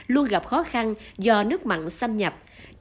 luôn gặp khó khăn do nước mặn xâm nhập